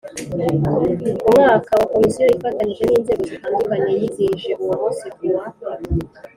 Mu mwaka w Komisiyo ifatanyije n inzego zitandukanye yizihije uwo munsi ku wa